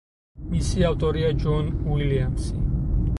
მისი ავტორია ჯონ უილიამსი.